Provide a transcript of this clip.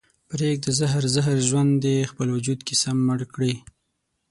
پرېږده زهر زهر ژوند دې خپل وجود کې سم مړ کړي